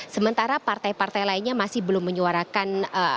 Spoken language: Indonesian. sementara partai partai lainnya masih belum menyuarakan